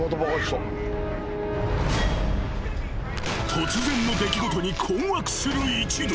［突然の出来事に困惑する一同］